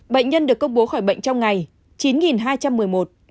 bệnh nhân được công bố khỏi bệnh trong ngày chín hai trăm một mươi một